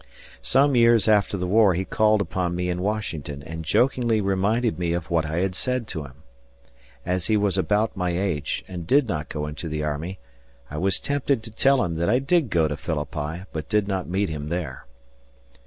Some years after the war he called upon me in Washington and jokingly reminded me of what I had said to him. As he was about my age and did not go into the army, I was tempted to tell him that I did go to Philippi, but did not meet him there.